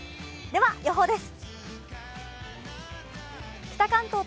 では予報です。